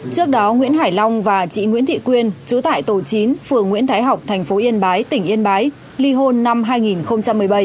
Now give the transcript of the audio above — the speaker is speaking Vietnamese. trước đó nguyễn hải long và chị nguyễn thị quyên chú tại tổ chín phường nguyễn thái học tp yên bái tỉnh yên bái ly hôn năm hai nghìn một mươi bảy